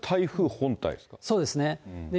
そうですね。